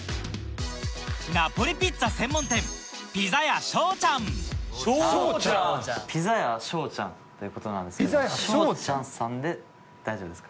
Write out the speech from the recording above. ナポリピッツァ専門店「ピザヤショーチャン」ということなんですけどショーチャンさんで大丈夫ですか？